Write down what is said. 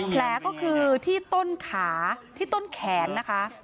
แผลก็คือที่ต้นขาที่ต้นแขนนะคะ